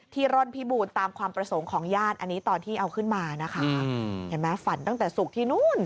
ร่อนพิบูรณ์ตามความประสงค์ของญาติอันนี้ตอนที่เอาขึ้นมานะคะเห็นไหมฝันตั้งแต่ศุกร์ที่นู่น